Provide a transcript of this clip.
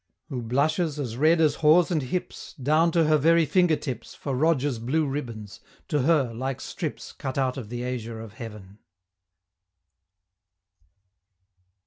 Who blushes as red as haws and hips, Down to her very finger tips, For Roger's blue ribbons to her, like strips Cut out of the azure of Heaven!